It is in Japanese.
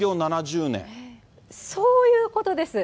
そういうことです。